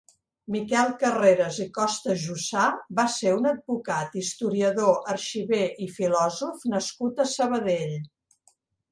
Miquel Carreras i Costajussà va ser un advocat, historiador, arxiver i filòsof nascut a Sabadell.